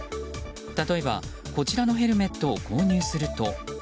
例えばこちらのヘルメットを購入すると。